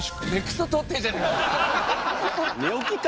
寝起きか！